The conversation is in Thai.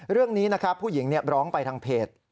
เรื่องนี้นะครับผู้หญิงร้องไปทางเพจ